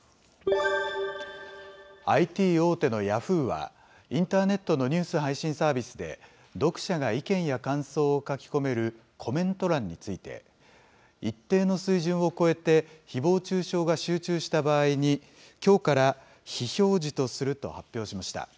ＩＴ大手のヤフーは、インターネットのニュース配信サービスで、読者が意見や感想を書き込めるコメント欄について、一定の水準を超えてひぼう中傷が集中した場合にきょうから非表示とすると発表しました。